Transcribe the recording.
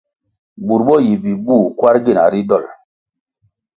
Bur bo yi bibuh kwarʼ gina ri dolʼ.